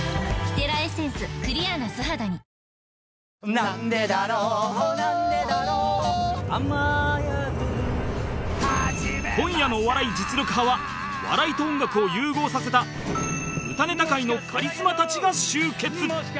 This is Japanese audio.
「なんでだろうなんでだろう」「雨宿り」今夜の『お笑い実力刃』は笑いと音楽を融合させた歌ネタ界のカリスマたちが集結